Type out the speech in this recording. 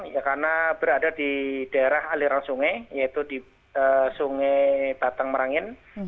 karena berada di daerah aliran sungai yaitu di sungai batang merangin